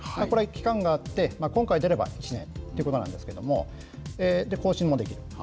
これは期間があって、今回出れば１年ということなんですけれども、更新もできる。